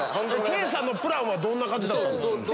圭さんのプランはどんな感じだったんですか？